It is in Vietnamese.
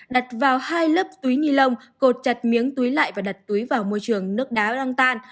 đặt vào hai lớp túi nilon cột chặt miếng túi lại và đặt túi vào môi trường nước đá đang tan